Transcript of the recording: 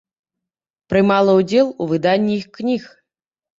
Прымала ўдзел у выданні іх кніг.